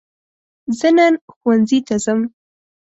زه نن ښوونځي ته ځم.